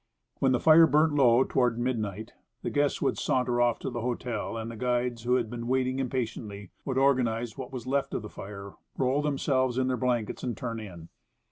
When the fire burnt low, toward midnight, the guests would saunter off to the hotel; and the guides, who had been waiting impatiently, would organize what was left cf the fire, roll themselves in their blankets, and turn in.